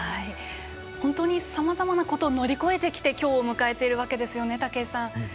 本当にさまざまなことを乗り越えてきて今日を迎えてきているわけですよね。